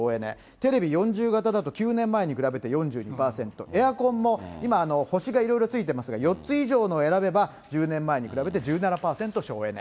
テレビ４０型だと９年前に比べて４２％、エアコンも今、星がいろいろついてますが、４つ以上の選べば１０年前に比べて１７％省エネ。